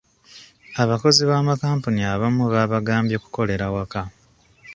Abakozi b'amakampuni abamu babagambye kukolera waka.